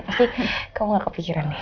pasti kamu gak kepikiran deh